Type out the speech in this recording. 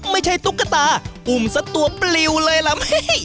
ไม่ใช่ตุ๊กตาอุ่มสัตว์ปลิวเลยล่ะ